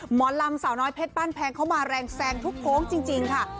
หมอลำสาวน้อยเพชรบ้านแพงเขามาแรงแซงทุกโค้งจริงค่ะ